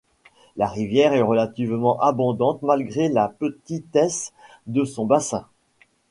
La rivière est relativement abondante, malgré la petitesse de son bassin.